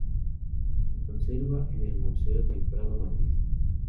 Se conserva en el Museo del Prado, Madrid.